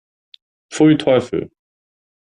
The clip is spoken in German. Pfui, Teufel!